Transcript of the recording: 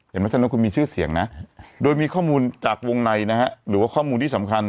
ฉะนั้นคุณมีชื่อเสียงนะโดยมีข้อมูลจากวงในนะฮะหรือว่าข้อมูลที่สำคัญ